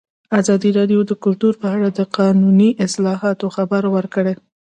ازادي راډیو د کلتور په اړه د قانوني اصلاحاتو خبر ورکړی.